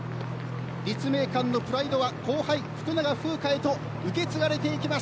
立命館のプライドは後輩福永楓花に受け継がれていきます。